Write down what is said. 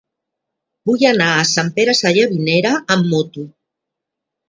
Vull anar a Sant Pere Sallavinera amb moto.